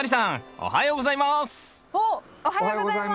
おはようございます。